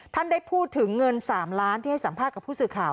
ท่านได้พูดถึงเงิน๓ล้านที่ให้สัมภาษณ์กับผู้สื่อข่าว